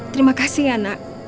terima kasih ya nak